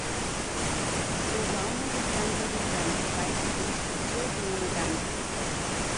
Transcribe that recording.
Tres homes estan realitzant treballs de construcció en una tanca.